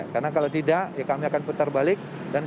karena kalau tidak kami akan putar balik